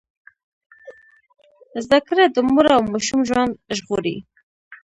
زده کړه د مور او ماشوم ژوند ژغوري۔